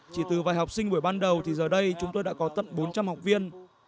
chỉ từ vài học sinh buổi ban đầu thì giờ đây chúng tôi đã có tận bốn trăm linh học viên